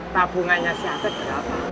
tabungannya si ate berapa